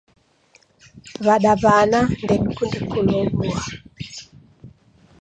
W'adaw'ana ndew'ikunde kulow'ua.